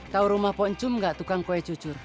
tahu rumah poncum gak tukang kue cucur